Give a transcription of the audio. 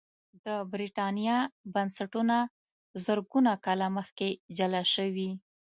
د برېټانیا بنسټونه زرګونه کاله مخکې جلا شوي